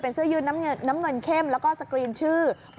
เสื้อยืดน้ำเงินเข้มแล้วก็สกรีนชื่อ